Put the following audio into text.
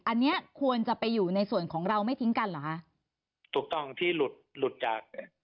อันนี้ควรจะไปอยู่ในส่วนของเราไม่ทิ้งกันเหรอคะถูกต้องที่หลุดหลุดจาก